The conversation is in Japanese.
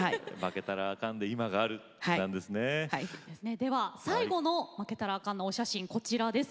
では最後の負けたらあかんのお写真こちらです。